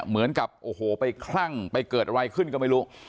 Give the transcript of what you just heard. เหมือนกับโอ้โหไปคลั่งไปเกิดอะไรขึ้นก็ไม่รู้